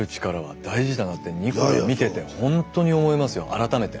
改めて。